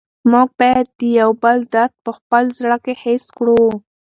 موږ باید د یو بل درد په خپل زړه کې حس کړو.